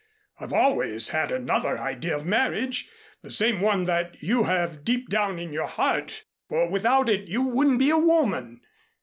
I've always had another idea of marriage, the same one that you have deep down in your heart, for without it you wouldn't be a woman.